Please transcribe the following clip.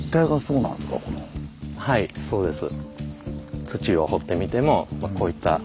はいそうです。